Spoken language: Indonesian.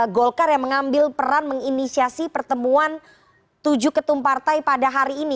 golkar yang mengambil peran menginisiasi pertemuan tujuh ketum partai pada hari ini